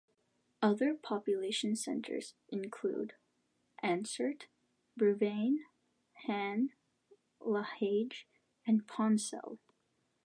Other population centers include: Ansart, Breuvanne, Han, Lahage, and Poncelle.